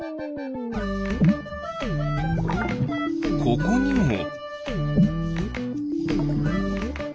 ここにも。